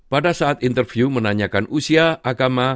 pada saat interview menanyakan usia agama